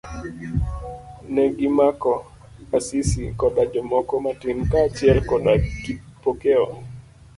Negimako Asisi koda jomoko matin kaachiel koda Kipokeo.